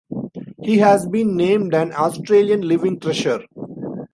He has been named an Australian Living Treasure.